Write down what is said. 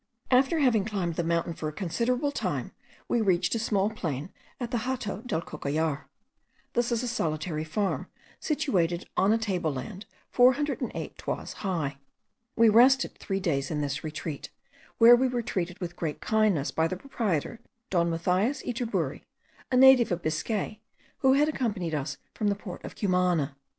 After having climbed the mountain for a considerable time, we reached a small plain at the Hato del Cocollar. This is a solitary farm, situated on a table land 408 toises high. We rested three days in this retreat, where we were treated with great kindness by the proprietor, Don Mathias Yturburi, a native of Biscay, who had accompanied us from the port of Cumana.